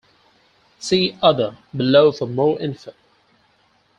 See "Other" below for more info.